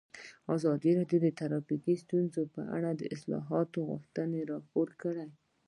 ازادي راډیو د ټرافیکي ستونزې په اړه د اصلاحاتو غوښتنې راپور کړې.